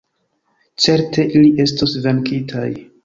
Certe ili estos venkitaj.